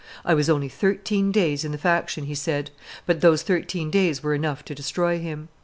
"I was only thirteen days in the faction," he said; but those thirteen days were enough to destroy him.